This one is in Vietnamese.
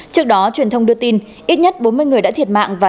trước đó truyền thông đưa tin ít nhất bốn mươi người đã thiệt mạng và